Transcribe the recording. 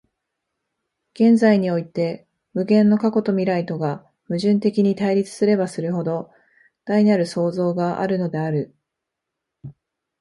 現在において無限の過去と未来とが矛盾的に対立すればするほど、大なる創造があるのである。